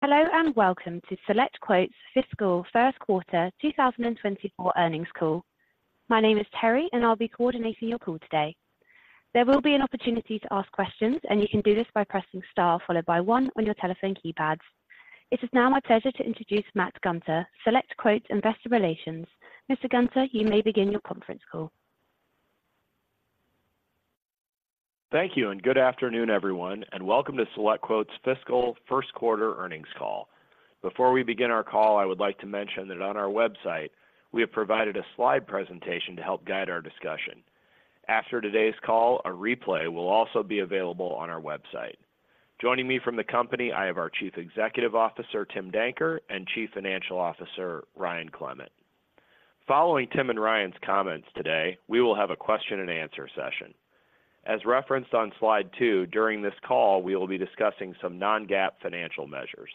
Hello, and welcome to SelectQuote's Fiscal Q1 2024 Earnings Call. My name is Terry, and I'll be coordinating your call today. There will be an opportunity to ask questions, and you can do this by pressing star followed by one on your telephone keypads. It is now my pleasure to introduce Matt Gunter, SelectQuote's Investor Relations. Mr. Gunter, you may begin your conference call. Thank you, and good afternoon, everyone, and welcome to SelectQuote's Fiscal Q1 Earnings Call. Before we begin our call, I would like to mention that on our website, we have provided a slide presentation to help guide our discussion. After today's call, a replay will also be available on our website. Joining me from the company, I have our Chief Executive Officer, Tim Danker, and Chief Financial Officer, Ryan Clement. Following Tim and Ryan's comments today, we will have a question and answer session. As referenced on slide two, during this call, we will be discussing some non-GAAP financial measures.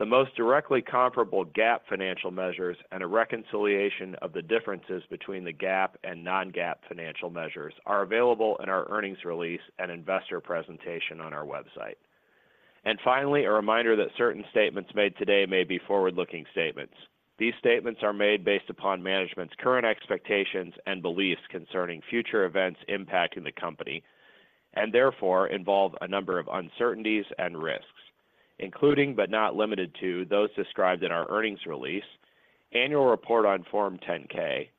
The most directly comparable GAAP financial measures and a reconciliation of the differences between the GAAP and non-GAAP financial measures are available in our earnings release and investor presentation on our website. And finally, a reminder that certain statements made today may be forward-looking statements. These statements are made based upon management's current expectations and beliefs concerning future events impacting the company, and therefore involve a number of uncertainties and risks, including but not limited to, those described in our earnings release, annual report on Form 10-K,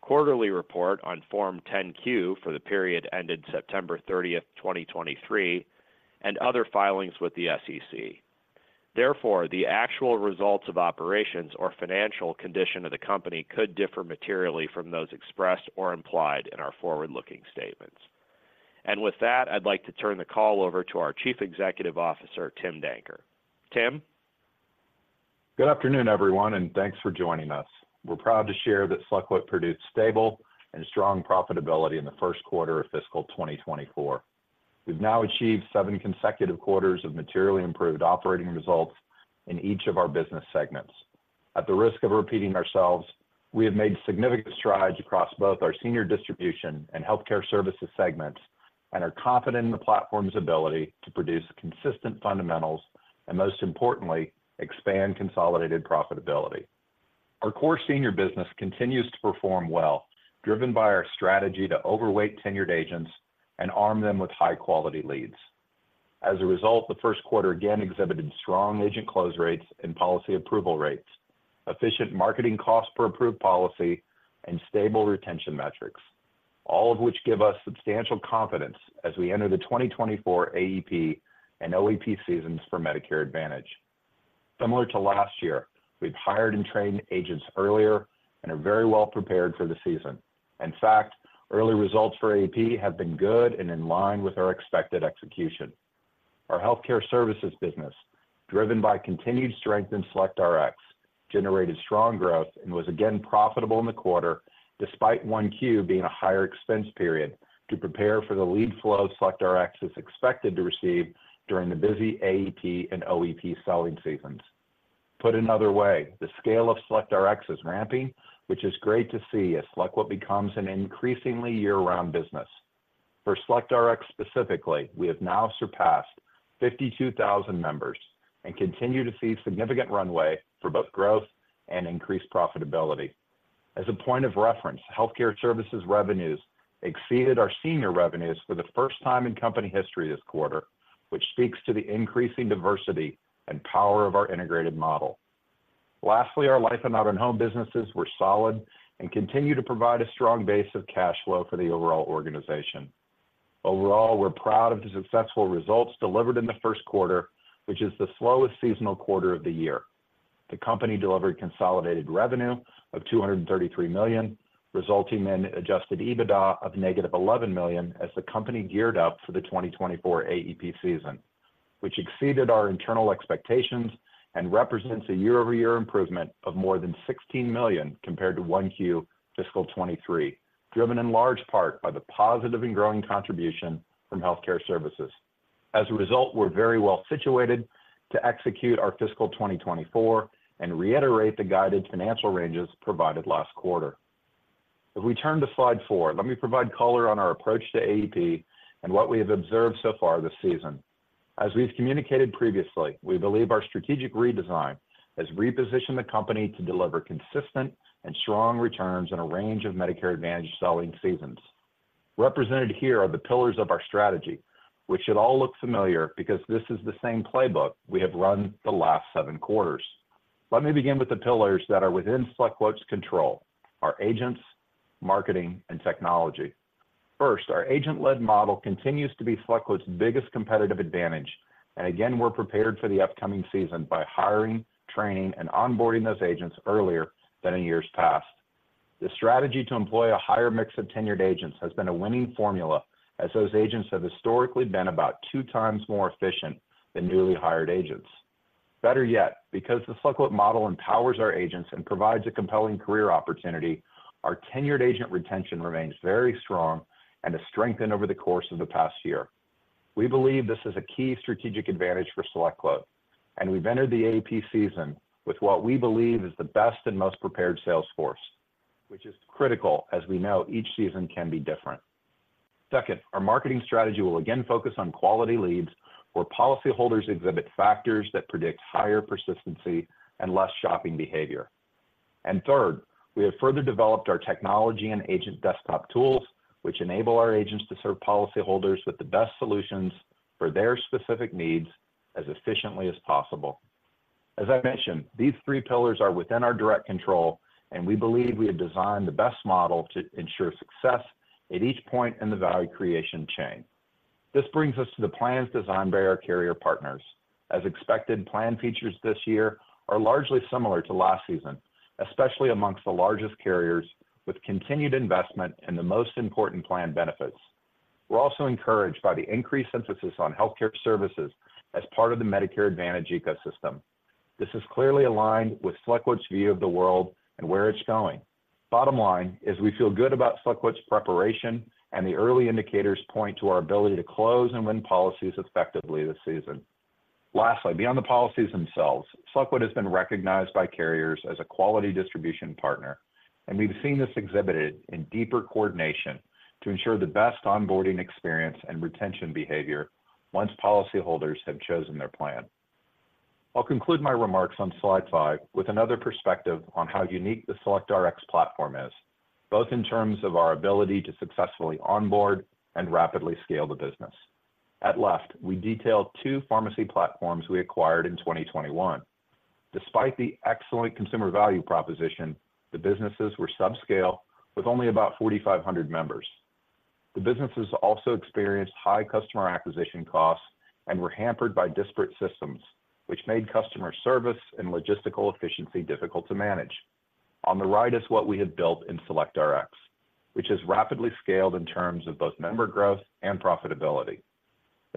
quarterly report on Form 10-Q for the period ended 30 September 2023, and other filings with the SEC. Therefore, the actual results of operations or financial condition of the company could differ materially from those expressed or implied in our forward-looking statements. And with that, I'd like to turn the call over to our Chief Executive Officer, Tim Danker. Tim? Good afternoon, everyone, and thanks for joining us. We're proud to share that SelectQuote produced stable and strong profitability in the Q1 of fiscal 2024. We've now achieved seven consecutive quarters of materially improved operating results in each of our business segments. At the risk of repeating ourselves, we have made significant strides across both our senior distribution and healthcare services segments, and are confident in the platform's ability to produce consistent fundamentals and most importantly, expand consolidated profitability. Our core senior business continues to perform well, driven by our strategy to overweight tenured agents and arm them with high-quality leads. As a result, the Q1 again exhibited strong agent close rates and policy approval rates, efficient marketing costs per approved policy, and stable retention metrics, all of which give us substantial confidence as we enter the 2024 AEP and OEP seasons for Medicare Advantage. Similar to last year, we've hired and trained agents earlier and are very well prepared for the season. In fact, early results for AEP have been good and in line with our expected execution. Our healthcare services business, driven by continued strength in SelectRx, generated strong growth and was again profitable in the quarter, despite Q1 being a higher expense period to prepare for the lead flow SelectRx is expected to receive during the busy AEP and OEP selling seasons. Put another way, the scale of SelectRx is ramping, which is great to see as SelectQuote becomes an increasingly year-round business. For SelectRx specifically, we have now surpassed 52,000 members and continue to see significant runway for both growth and increased profitability. As a point of reference, healthcare services revenues exceeded our senior revenues for the first time in company history this quarter, which speaks to the increasing diversity and power of our integrated model. Lastly, our Life, Auto & Home businesses were solid and continue to provide a strong base of cash flow for the overall organization. Overall, we're proud of the successful results delivered in the Q1, which is the slowest seasonal quarter of the year. The company delivered consolidated revenue of $233 million, resulting in adjusted EBITDA of -$11 million as the company geared up for the 2024 AEP season, which exceeded our internal expectations and represents a year-over-year improvement of more than $16 million compared to Q1 fiscal 2023, driven in large part by the positive and growing contribution from healthcare services. As a result, we're very well situated to execute our Fiscal 2024 and reiterate the guided financial ranges provided last quarter. If we turn to slide four, let me provide color on our approach to AEP and what we have observed so far this season. As we've communicated previously, we believe our strategic redesign has repositioned the company to deliver consistent and strong returns in a range of Medicare Advantage selling seasons. Represented here are the pillars of our strategy, which should all look familiar because this is the same playbook we have run the last seven quarters. Let me begin with the pillars that are within SelectQuote's control: our agents, marketing, and technology. First, our agent-led model continues to be SelectQuote's biggest competitive advantage, and again, we're prepared for the upcoming season by hiring, training, and onboarding those agents earlier than in years past. The strategy to employ a higher mix of tenured agents has been a winning formula, as those agents have historically been about 2x more efficient than newly hired agents. Better yet, because the SelectQuote model empowers our agents and provides a compelling career opportunity, our tenured agent retention remains very strong and has strengthened over the course of the past year. We believe this is a key strategic advantage for SelectQuote, and we've entered the AEP season with what we believe is the best and most prepared sales force, which is critical, as we know each season can be different. Second, our marketing strategy will again focus on quality leads, where policyholders exhibit factors that predict higher persistency and less shopping behavior. Third, we have further developed our technology and agent desktop tools, which enable our agents to serve policyholders with the best solutions for their specific needs as efficiently as possible. As I mentioned, these three pillars are within our direct control, and we believe we have designed the best model to ensure success at each point in the value creation chain. This brings us to the plans designed by our carrier partners. As expected, plan features this year are largely similar to last season, especially among the largest carriers, with continued investment in the most important plan benefits. We're also encouraged by the increased emphasis on healthcare services as part of the Medicare Advantage ecosystem. This is clearly aligned with SelectQuote's view of the world and where it's going. Bottom line is we feel good about SelectQuote's preparation, and the early indicators point to our ability to close and win policies effectively this season. Lastly, beyond the policies themselves, SelectQuote has been recognized by carriers as a quality distribution partner, and we've seen this exhibited in deeper coordination to ensure the best onboarding experience and retention behavior once policyholders have chosen their plan. I'll conclude my remarks on slide five with another perspective on how unique the SelectRx platform is, both in terms of our ability to successfully onboard and rapidly scale the business. At left, we detailed two pharmacy platforms we acquired in 2021. Despite the excellent consumer value proposition, the businesses were subscale, with only about 4,500 members. The businesses also experienced high customer acquisition costs and were hampered by disparate systems, which made customer service and logistical efficiency difficult to manage. On the right is what we have built in SelectRx, which has rapidly scaled in terms of both member growth and profitability.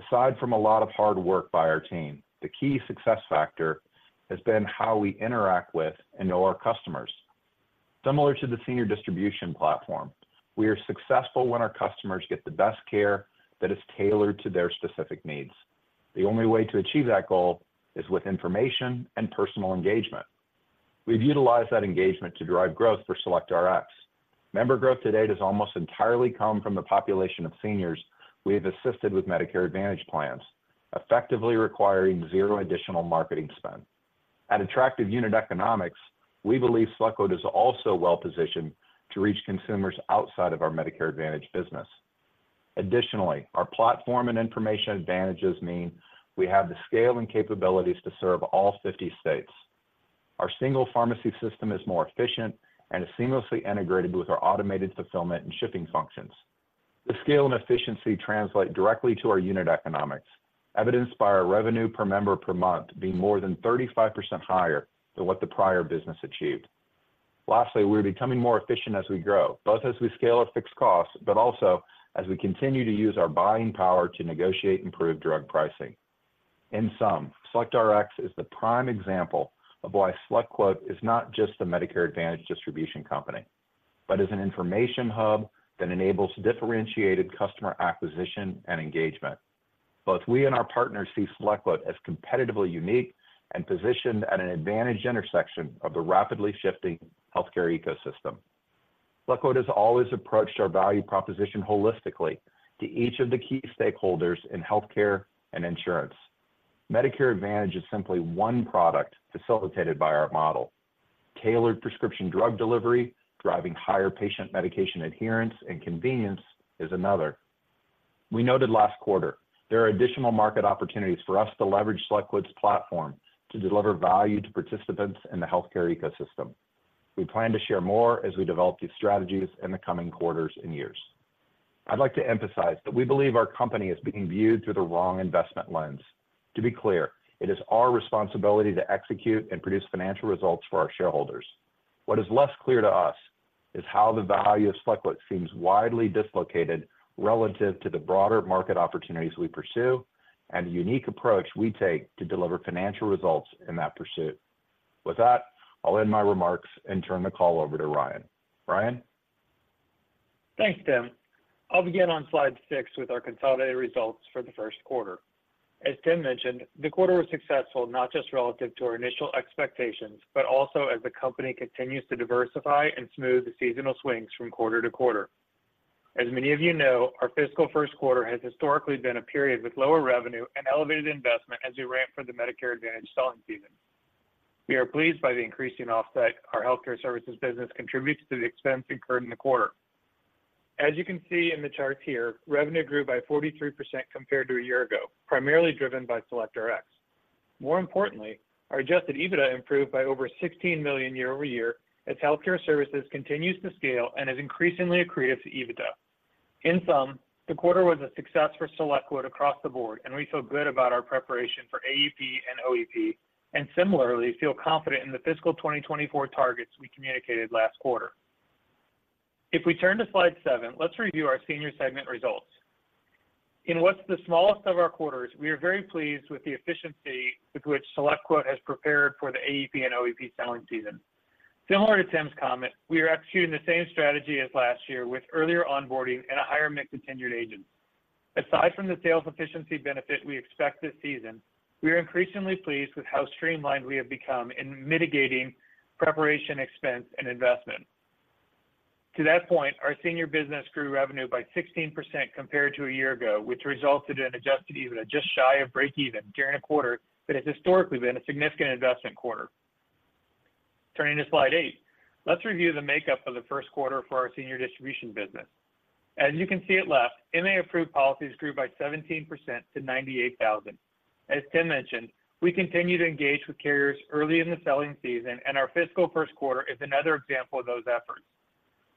Aside from a lot of hard work by our team, the key success factor has been how we interact with and know our customers. Similar to the senior distribution platform, we are successful when our customers get the best care that is tailored to their specific needs. The only way to achieve that goal is with information and personal engagement. We've utilized that engagement to drive growth for SelectRx. Member growth to date has almost entirely come from the population of seniors we have assisted with Medicare Advantage plans, effectively requiring zero additional marketing spend. At attractive unit economics, we believe SelectQuote is also well positioned to reach consumers outside of our Medicare Advantage business. Additionally, our platform and information advantages mean we have the scale and capabilities to serve all 50 states. Our single pharmacy system is more efficient and is seamlessly integrated with our automated fulfillment and shipping functions. The scale and efficiency translate directly to our unit economics, evidenced by our revenue per member per month being more than 35% higher than what the prior business achieved. Lastly, we're becoming more efficient as we grow, both as we scale our fixed costs, but also as we continue to use our buying power to negotiate improved drug pricing. In sum, SelectRx is the prime example of why SelectQuote is not just a Medicare Advantage distribution company, but as an information hub that enables differentiated customer acquisition and engagement. Both we and our partners see SelectQuote as competitively unique and positioned at an advantage intersection of the rapidly shifting healthcare ecosystem. SelectQuote has always approached our value proposition holistically to each of the key stakeholders in healthcare and insurance. Medicare Advantage is simply one product facilitated by our model. Tailored prescription drug delivery, driving higher patient medication adherence and convenience is another. We noted last quarter, there are additional market opportunities for us to leverage SelectQuote's platform to deliver value to participants in the healthcare ecosystem. We plan to share more as we develop these strategies in the coming quarters and years. I'd like to emphasize that we believe our company is being viewed through the wrong investment lens. To be clear, it is our responsibility to execute and produce financial results for our shareholders. What is less clear to us is how the value of SelectQuote seems widely dislocated relative to the broader market opportunities we pursue and the unique approach we take to deliver financial results in that pursuit. With that, I'll end my remarks and turn the call over to Ryan. Ryan? Thanks, Tim. I'll begin on slide six with our consolidated results for the Q1. As Tim mentioned, the quarter was successful, not just relative to our initial expectations, but also as the company continues to diversify and smooth the seasonal swings from quarter to quarter. As many of you know, our fiscal Q1 has historically been a period with lower revenue and elevated investment as we ramp for the Medicare Advantage selling season. We are pleased by the increasing offset our healthcare services business contributes to the expense incurred in the quarter. As you can see in the charts here, revenue grew by 43% compared to a year ago, primarily driven by SelectRx. More importantly, our Adjusted EBITDA improved by over $16 million year-over-year as healthcare services continues to scale and is increasingly accretive to EBITDA. In sum, the quarter was a success for SelectQuote across the board, and we feel good about our preparation for AEP and OEP, and similarly, feel confident in the fiscal 2024 targets we communicated last quarter. If we turn to slide seven, let's review our senior segment results. In what's the smallest of our quarters, we are very pleased with the efficiency with which SelectQuote has prepared for the AEP and OEP selling season. Similar to Tim's comment, we are executing the same strategy as last year with earlier onboarding and a higher mix of tenured agents... Aside from the sales efficiency benefit we expect this season, we are increasingly pleased with how streamlined we have become in mitigating preparation, expense, and investment. To that point, our senior business grew revenue by 16% compared to a year ago, which resulted in adjusted EBITDA just shy of break even during a quarter that has historically been a significant investment quarter. Turning to slide eight, let's review the makeup of the Q1 for our senior distribution business. As you can see at left, MA-approved policies grew by 17% to 98,000. As Tim mentioned, we continue to engage with carriers early in the selling season, and our fiscal Q1 is another example of those efforts.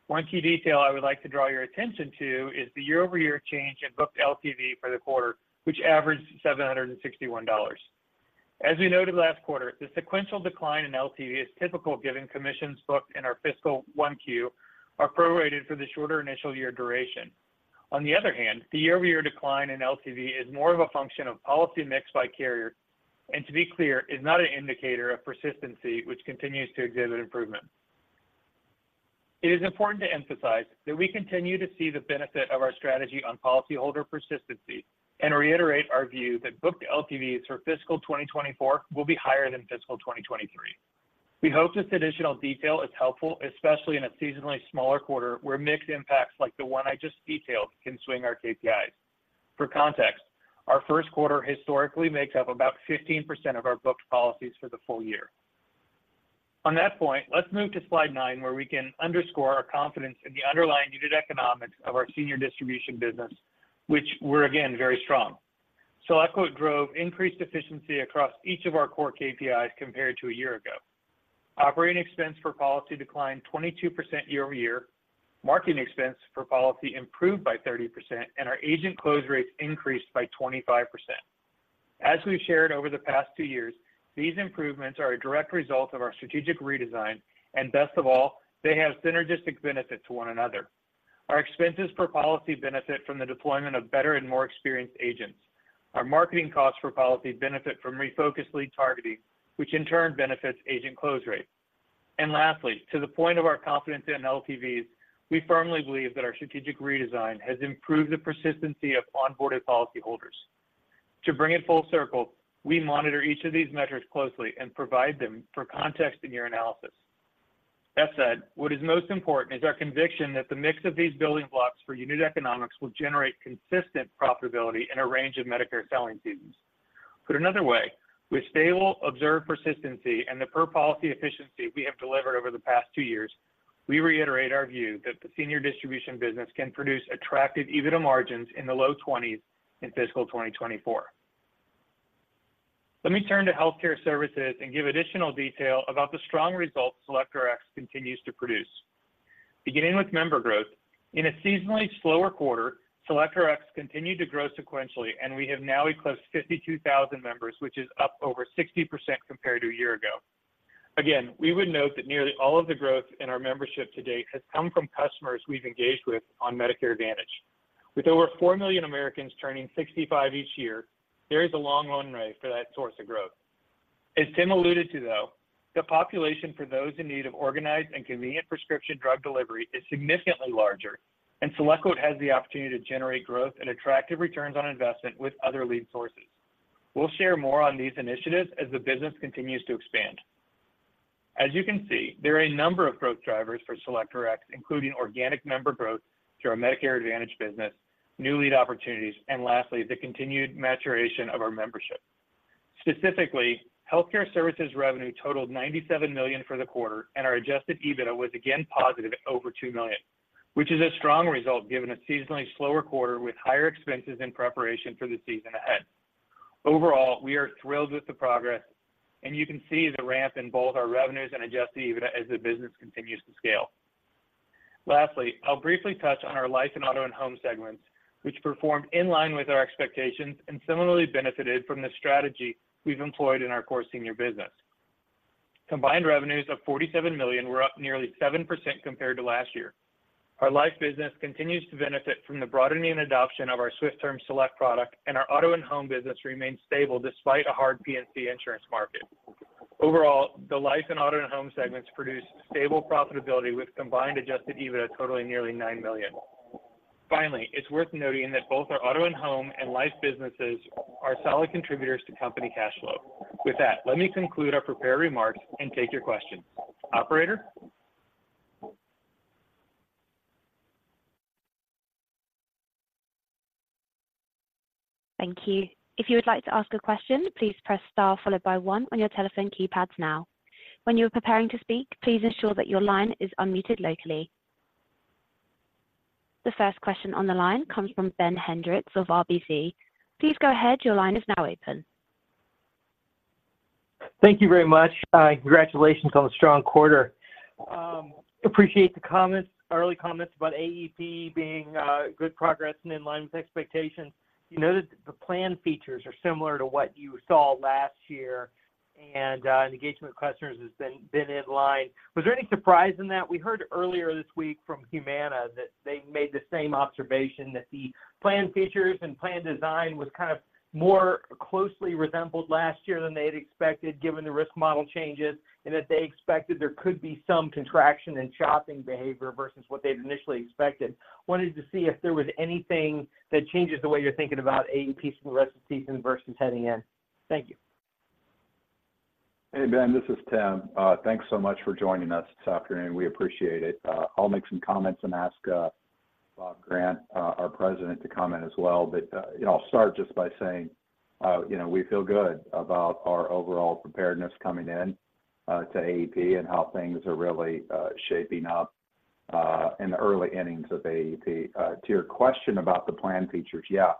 One key detail I would like to draw your attention to is the year-over-year change in booked LTV for the quarter, which averaged $761. As we noted last quarter, the sequential decline in LTV is typical, given commissions booked in our fiscal Q1 are prorated for the shorter initial year duration. On the other hand, the year-over-year decline in LTV is more of a function of policy mix by carrier, and to be clear, is not an indicator of persistency, which continues to exhibit improvement. It is important to emphasize that we continue to see the benefit of our strategy on policyholder persistency and reiterate our view that booked LTVs for fiscal 2024 will be higher than fiscal 2023. We hope this additional detail is helpful, especially in a seasonally smaller quarter, where mixed impacts like the one I just detailed can swing our KPIs. For context, our Q1 historically makes up about 15% of our booked policies for the full year. On that point, let's move to slide nine, where we can underscore our confidence in the underlying unit economics of our senior distribution business, which were again, very strong. SelectQuote drove increased efficiency across each of our core KPIs compared to a year ago. Operating expense for policy declined 22% year-over-year, marketing expense for policy improved by 30%, and our agent close rates increased by 25%. As we've shared over the past 2 years, these improvements are a direct result of our strategic redesign, and best of all, they have synergistic benefit to one another. Our expenses per policy benefit from the deployment of better and more experienced agents. Our marketing costs for policy benefit from refocused lead targeting, which in turn benefits agent close rates. Lastly, to the point of our confidence in LTVs, we firmly believe that our strategic redesign has improved the persistency of onboarded policyholders. To bring it full circle, we monitor each of these metrics closely and provide them for context in your analysis. That said, what is most important is our conviction that the mix of these building blocks for unit economics will generate consistent profitability in a range of Medicare selling seasons. Put another way, with stable observed persistency and the per policy efficiency we have delivered over the past two years, we reiterate our view that the senior distribution business can produce attractive EBITDA margins in the low 20s% in fiscal 2024. Let me turn to healthcare services and give additional detail about the strong results SelectRx continues to produce. Beginning with member growth, in a seasonally slower quarter, SelectRx continued to grow sequentially, and we have now eclipsed 52,000 members, which is up over 60% compared to a year ago. Again, we would note that nearly all of the growth in our membership to date has come from customers we've engaged with on Medicare Advantage. With over four million Americans turning 65 each year, there is a long runway for that source of growth. As Tim alluded to, though, the population for those in need of organized and convenient prescription drug delivery is significantly larger, and SelectQuote has the opportunity to generate growth and attractive returns on investment with other lead sources. We'll share more on these initiatives as the business continues to expand. As you can see, there are a number of growth drivers for SelectRx, including organic member growth through our Medicare Advantage business, new lead opportunities, and lastly, the continued maturation of our membership. Specifically, healthcare services revenue totaled $97 million for the quarter, and our Adjusted EBITDA was again positive at over $2 million, which is a strong result, given a seasonally slower quarter with higher expenses in preparation for the season ahead. Overall, we are thrilled with the progress, and you can see the ramp in both our revenues and Adjusted EBITDA as the business continues to scale. Lastly, I'll briefly touch on our life and auto and home segments, which performed in line with our expectations and similarly benefited from the strategy we've employed in our core senior business. Combined revenues of $47 million were up nearly 7% compared to last year. Our life business continues to benefit from the broadening and adoption of our SwiftTerm Select product, and our auto and home business remains stable despite a hard P&C insurance market. Overall, the life and auto and home segments produced stable profitability, with combined Adjusted EBITDA totaling nearly $9 million. Finally, it's worth noting that both our auto and home and life businesses are solid contributors to company cash flow. With that, let me conclude our prepared remarks and take your questions. Operator? Thank you. If you would like to ask a question, please press star followed by one on your telephone keypads now. When you are preparing to speak, please ensure that your line is unmuted locally. The first question on the line comes from Ben Hendrix of RBC. Please go ahead. Your line is now open. Thank you very much. Congratulations on the strong quarter. Appreciate the comments, early comments about AEP being good progress and in line with expectations. You noted the plan features are similar to what you saw last year, and the engagement with customers has been in line. Was there any surprise in that? We heard earlier this week from Humana that they made the same observation, that the plan features and plan design was kind of more closely resembled last year than they'd expected, given the risk model changes, and that they expected there could be some contraction and shopping behavior versus what they'd initially expected. Wanted to see if there was anything that changes the way you're thinking about AEP's receptivity versus heading in. Thank you. ... Hey, Ben, this is Tim. Thanks so much for joining us this afternoon. We appreciate it. I'll make some comments and ask, Bob Grant, our President, to comment as well. But, you know, I'll start just by saying, you know, we feel good about our overall preparedness coming in, to AEP and how things are really, shaping up, in the early innings of AEP. To your question about the plan features, yeah,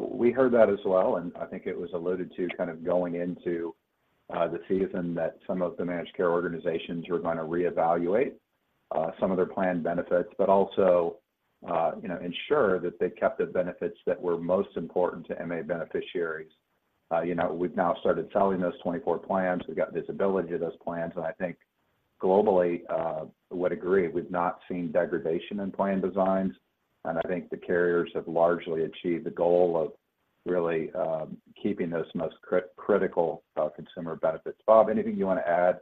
we heard that as well, and I think it was alluded to kind of going into, the season that some of the managed care organizations were going to reevaluate, some of their plan benefits, but also, you know, ensure that they kept the benefits that were most important to MA beneficiaries. You know, we've now started selling those 24 plans. We've got visibility to those plans, and I think globally would agree we've not seen degradation in plan designs. And I think the carriers have largely achieved the goal of really keeping those most critical consumer benefits. Bob, anything you want to add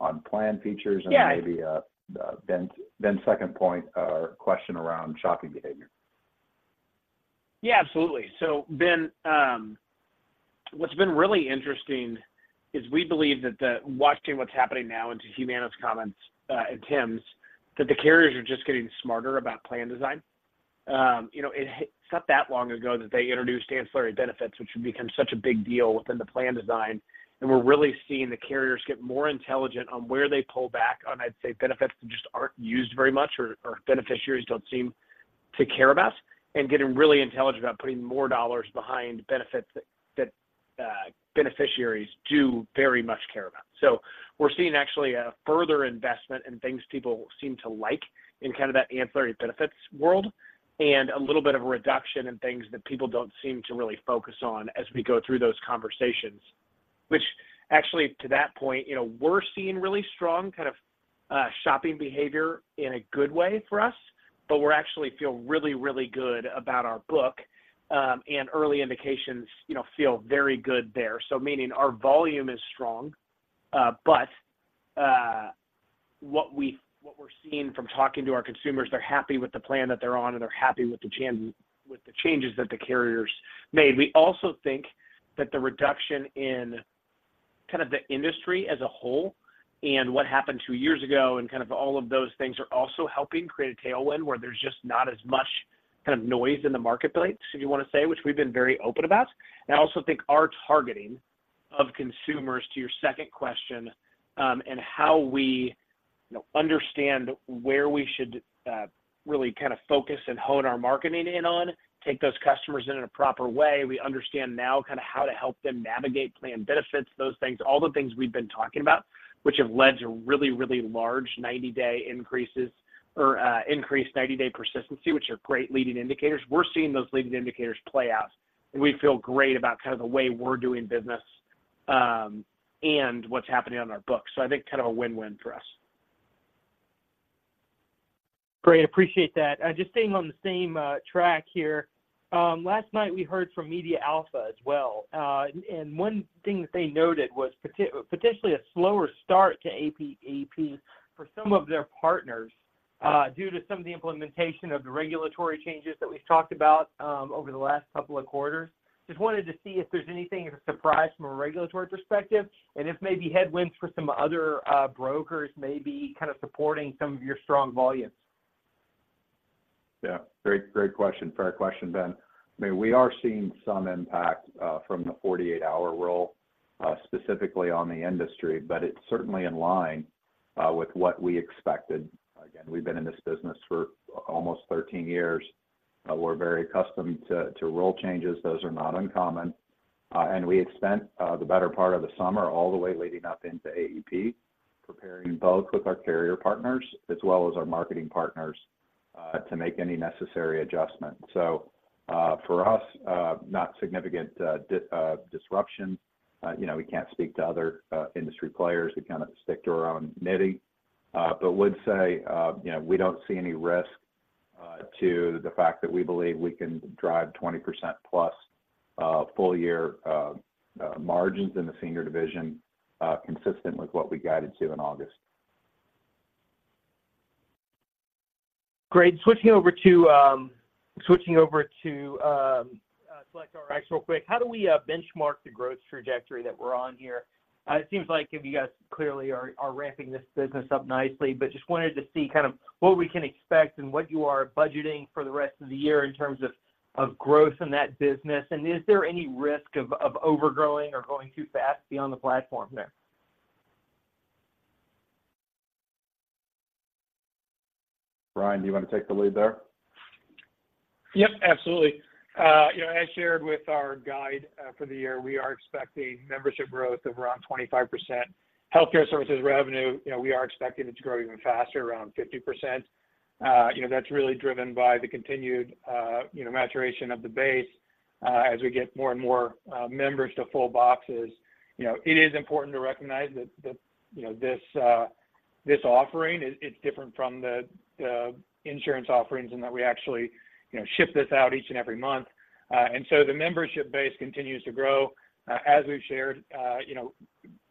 on plan features- Yeah -and maybe, Ben, Ben's second point or question around shopping behavior? Yeah, absolutely. So, Ben, what's been really interesting is we believe that watching what's happening now into Humana's comments, and Tim's, that the carriers are just getting smarter about plan design. You know, it's not that long ago that they introduced ancillary benefits, which have become such a big deal within the plan design, and we're really seeing the carriers get more intelligent on where they pull back on, I'd say, benefits that just aren't used very much or beneficiaries don't seem to care about, and getting really intelligent about putting more dollars behind benefits that beneficiaries do very much care about. So we're seeing actually a further investment in things people seem to like in kind of that ancillary benefits world, and a little bit of a reduction in things that people don't seem to really focus on as we go through those conversations. Which actually, to that point, you know, we're seeing really strong kind of shopping behavior in a good way for us, but we're actually feel really, really good about our book. And early indications, you know, feel very good there. So meaning our volume is strong, but what we're seeing from talking to our consumers, they're happy with the plan that they're on, and they're happy with the changes that the carriers made. We also think that the reduction in kind of the industry as a whole and what happened 2 years ago and kind of all of those things are also helping create a tailwind, where there's just not as much kind of noise in the marketplace, if you want to say, which we've been very open about. And I also think our targeting of consumers, to your second question, and how we, you know, understand where we should really kind of focus and hone our marketing in on, take those customers in in a proper way. We understand now kind of how to help them navigate plan benefits, those things, all the things we've been talking about, which have led to really, really large 90-day increases or, increased 90-day persistency, which are great leading indicators. We're seeing those leading indicators play out, and we feel great about kind of the way we're doing business, and what's happening on our books. So I think kind of a win-win for us. Great. Appreciate that. Just staying on the same track here. Last night we heard from MediaAlpha as well, and one thing that they noted was potentially a slower start to AEP for some of their partners, due to some of the implementation of the regulatory changes that we've talked about over the last couple of quarters. Just wanted to see if there's anything as a surprise from a regulatory perspective and if maybe headwinds for some other brokers may be kind of supporting some of your strong volumes. Yeah. Great, great question. Fair question, Ben. I mean, we are seeing some impact from the 48-hour rule specifically on the industry, but it's certainly in line with what we expected. Again, we've been in this business for almost 13 years. We're very accustomed to rule changes. Those are not uncommon and we had spent the better part of the summer all the way leading up into AEP, preparing both with our carrier partners as well as our marketing partners to make any necessary adjustments. So for us not significant disruption. You know, we can't speak to other industry players. We kind of stick to our own nitty-gritty, but would say, you know, we don't see any risk to the fact that we believe we can drive 20%+ full year margins in the senior division, consistent with what we guided to in August. Great. Switching over to SelectRx real quick. How do we benchmark the growth trajectory that we're on here? It seems like you guys clearly are ramping this business up nicely, but just wanted to see kind of what we can expect and what you are budgeting for the rest of the year in terms of growth in that business. Is there any risk of overgrowing or going too fast beyond the platform there? Ryan, do you want to take the lead there? Yep, absolutely. You know, as shared with our guide for the year, we are expecting membership growth of around 25%. Healthcare services revenue, you know, we are expecting it to grow even faster, around 50%. You know, that's really driven by the continued, you know, maturation of the base, as we get more and more members to full boxes. You know, it is important to recognize that this offering it's different from the insurance offerings in that we actually, you know, ship this out each and every month. And so the membership base continues to grow. As we've shared, you know,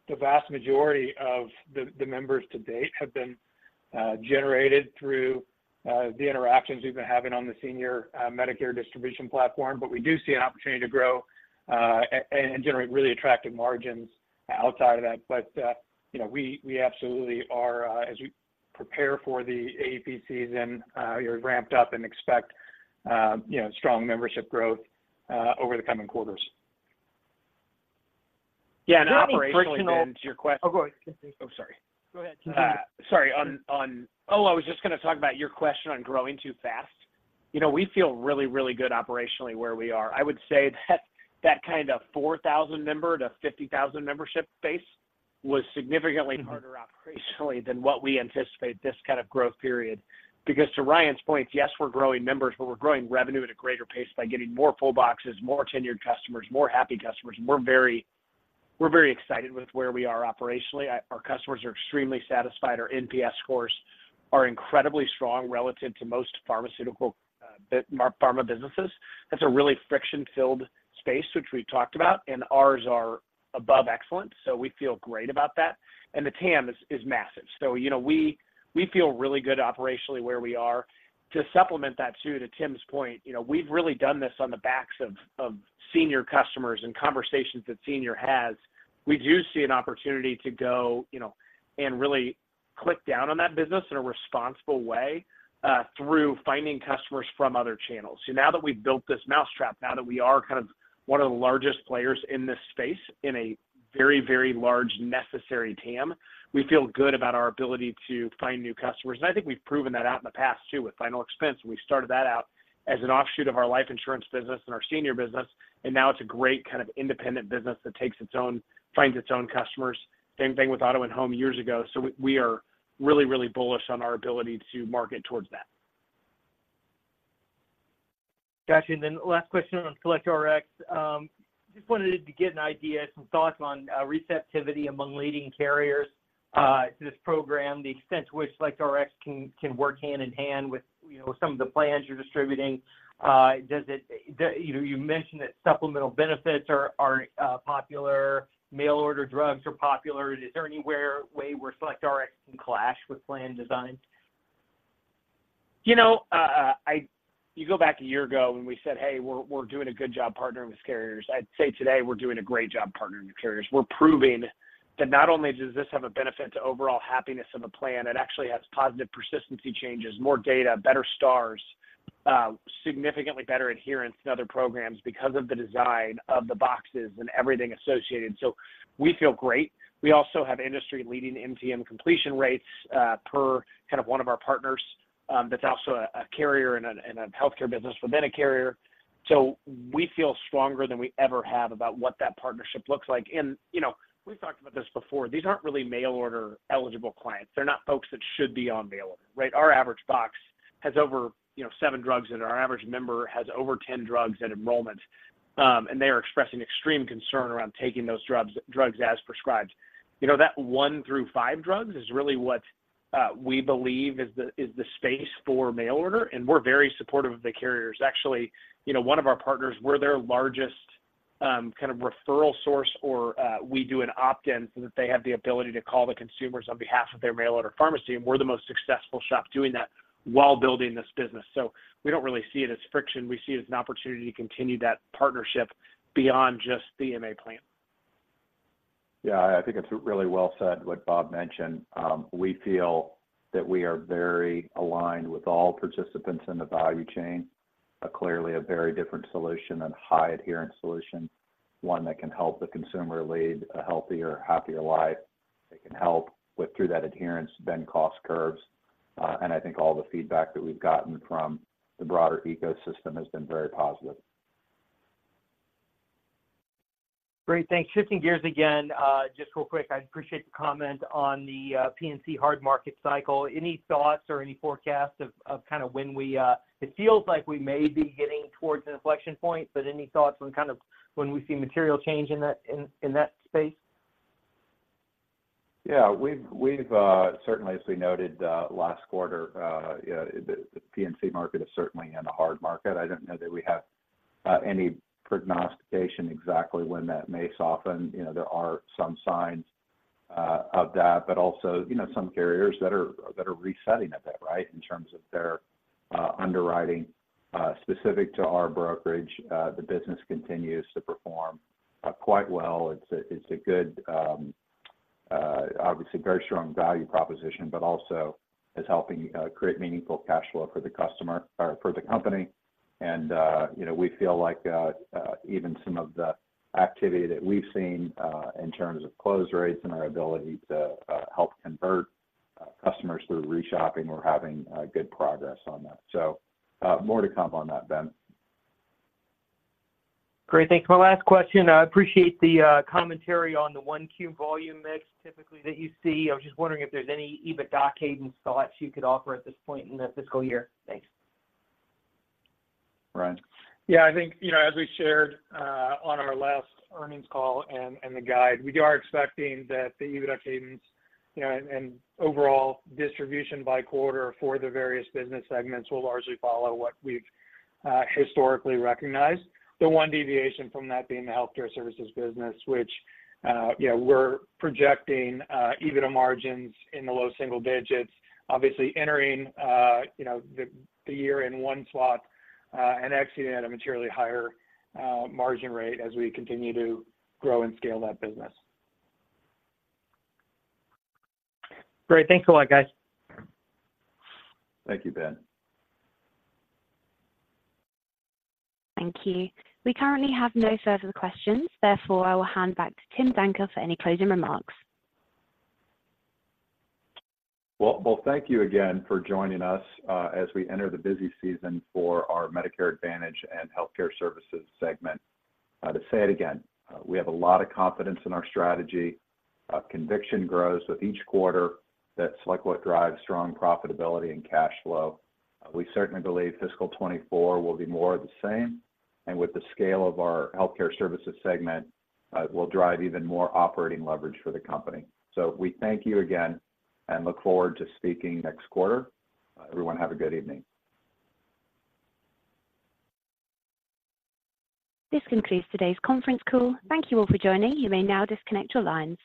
the vast majority of the members to date have been generated through the interactions we've been having on the senior Medicare distribution platform. But we do see an opportunity to grow, and generate really attractive margins outside of that. But, you know, we, we absolutely are, as we prepare for the AEP season, we're ramped up and expect, you know, strong membership growth, over the coming quarters. Yeah, and operationally, to your ques- Oh, go ahead. Oh, sorry. Go ahead, continue. Sorry, on, on. Oh, I was just gonna talk about your question on growing too fast. You know, we feel really, really good operationally where we are. I would say that that kind of 4,000 member to 50,000 membership base was significantly harder operationally than what we anticipate this kind of growth period. Because to Ryan's point, yes, we're growing members, but we're growing revenue at a greater pace by getting more full boxes, more tenured customers, more happy customers. We're very, we're very excited with where we are operationally. I, our customers are extremely satisfied. Our NPS scores are incredibly strong relative to most pharmaceutical pharma businesses. That's a really friction-filled space, which we talked about, and ours are above excellent, so we feel great about that. And the TAM is, is massive. So, you know, we feel really good operationally where we are. To supplement that, too, to Tim's point, you know, we've really done this on the backs of senior customers and conversations that senior has. We do see an opportunity to go, you know, and really click down on that business in a responsible way, through finding customers from other channels. So now that we've built this mousetrap, now that we are kind of one of the largest players in this space in a very, very large necessary TAM, we feel good about our ability to find new customers. And I think we've proven that out in the past, too, with final expense, and we started that out as an offshoot of our life insurance business and our senior business. And now it's a great kind of independent business that takes its own, finds its own customers. Same thing with auto and home years ago, so we, we are really, really bullish on our ability to market towards that. Got you. And then last question on SelectRx. Just wanted to get an idea, some thoughts on receptivity among leading carriers to this program, the extent to which SelectRx can work hand in hand with, you know, some of the plans you're distributing. Does it... You know, you mentioned that supplemental benefits are popular, mail-order drugs are popular. Is there anywhere, way where SelectRx can clash with plan design? You know, you go back a year ago when we said, "Hey, we're doing a good job partnering with carriers." I'd say today, we're doing a great job partnering with carriers. We're proving that not only does this have a benefit to overall happiness of a plan, it actually has positive persistency changes, more data, better stars, significantly better adherence than other programs because of the design of the boxes and everything associated. So we feel great. We also have industry-leading MTM completion rates, per kind of one of our partners, that's also a carrier and a healthcare business within a carrier. So we feel stronger than we ever have about what that partnership looks like. And, you know, we've talked about this before. These aren't really mail-order eligible clients. They're not folks that should be on mail order, right? Our average box has over, you know, seven drugs, and our average member has over 10 drugs at enrollment. And they are expressing extreme concern around taking those drugs, drugs as prescribed. You know, that one to five drugs is really what we believe is the, is the space for mail order, and we're very supportive of the carriers. Actually, you know, one of our partners, we're their largest kind of referral source, we do an opt-in so that they have the ability to call the consumers on behalf of their mail order pharmacy, and we're the most successful shop doing that while building this business. So we don't really see it as friction. We see it as an opportunity to continue that partnership beyond just the MA plan. Yeah, I think it's really well said, what Bob mentioned. We feel that we are very aligned with all participants in the value chain. Clearly a very different solution and high adherence solution, one that can help the consumer lead a healthier, happier life. It can help with, through that adherence, bend cost curves, and I think all the feedback that we've gotten from the broader ecosystem has been very positive. Great, thanks. Shifting gears again, just real quick, I'd appreciate the comment on the P&C hard market cycle. Any thoughts or any forecasts of kind of when we... It feels like we may be getting towards an inflection point, but any thoughts on kind of when we see material change in that space? Yeah. We've certainly, as we noted, last quarter, yeah, the P&C market is certainly in a hard market. I don't know that we have any prognostication exactly when that may soften. You know, there are some signs of that, but also, you know, some carriers that are resetting at that, right, in terms of their underwriting. Specific to our brokerage, the business continues to perform quite well. It's a good, obviously, very strong value proposition, but also is helping create meaningful cash flow for the customer or for the company. And, you know, we feel like, even some of the activity that we've seen, in terms of close rates and our ability to help convert customers through re-shopping, we're having good progress on that. More to come on that, Ben. Great. Thanks. My last question, I appreciate the commentary on the Q1 volume mix typically that you see. I was just wondering if there's any EBITDA cadence thoughts you could offer at this point in the fiscal year. Thanks. Ryan? Yeah, I think, you know, as we shared on our last earnings call and the guide, we are expecting that the EBITDA cadence, you know, and overall distribution by quarter for the various business segments will largely follow what we've historically recognized. The one deviation from that being the healthcare services business, which, you know, we're projecting EBITDA margins in the low single digits. Obviously, entering, you know, the year in one slot and exiting at a materially higher margin rate as we continue to grow and scale that business. Great. Thanks a lot, guys. Thank you, Ben. Thank you. We currently have no further questions. Therefore, I will hand back to Tim Danker for any closing remarks. Well, well, thank you again for joining us as we enter the busy season for our Medicare Advantage and healthcare services segment. To say it again, we have a lot of confidence in our strategy. Our conviction grows with each quarter. That's like what drives strong profitability and cash flow. We certainly believe fiscal 2024 will be more of the same, and with the scale of our healthcare services segment, will drive even more operating leverage for the company. So we thank you again and look forward to speaking next quarter. Everyone, have a good evening. This concludes today's conference call. Thank you all for joining. You may now disconnect your lines.